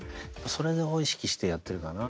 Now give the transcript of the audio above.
それを意識してやってるかな。